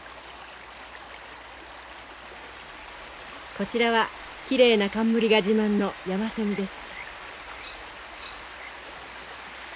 こちらはきれいな冠が自慢のヤマセミです。